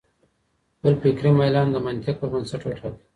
خپل فکري میلان د منطق پر بنسټ وټاکئ.